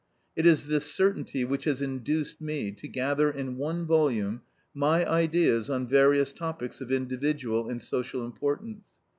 It is this certainty which has induced me to gather in one volume my ideas on various topics of individual and social importance.